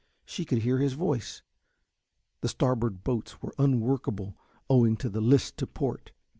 She could hear his voice. The starboard boats were unworkable owing to the list to port.